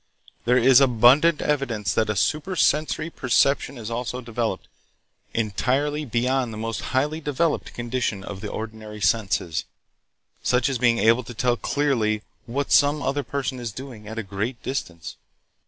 There is abundant evidence that a supersensory perception is also developed, entirely beyond the most highly developed condition of the ordinary senses, such as being able to tell clearly what some other person is doing at a great distance.